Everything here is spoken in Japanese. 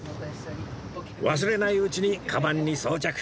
忘れないうちにカバンに装着